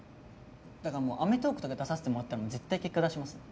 だからもう『アメトーーク』とか出させてもらったら絶対結果出しますよ。